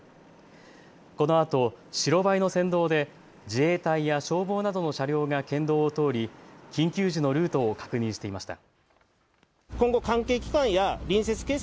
このあと白バイの先導で自衛隊や消防などの車両が県道を通り緊急時のルートを確認していました。